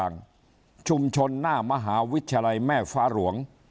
ง่ามหาวิจิรัยแม่ฟ้าหลวง